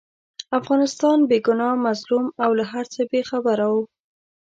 افغانستان بې ګناه، مظلوم او له هرڅه بې خبره وو.